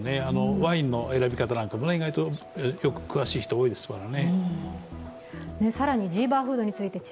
ワインの選び方なんかも意外と詳しい人多いですからね。